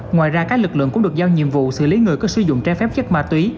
ngoài ra các lực lượng cũng được giao nhiệm vụ xử lý người có sử dụng trái phép chất ma túy